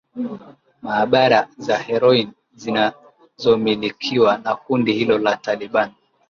maabara za heroin zinazomilikiwa na kundi hilo la taliban